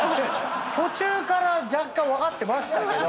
途中から若干分かってましたけど。